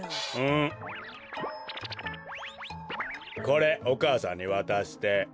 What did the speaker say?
これお母さんにわたして。